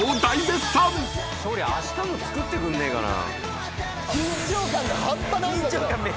勝利あしたも作ってくんねえかな。